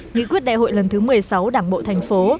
nghị quyết đại hội lần thứ một mươi sáu đảng bộ thành phố